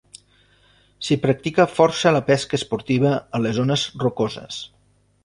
S'hi practica força la pesca esportiva a les zones rocoses.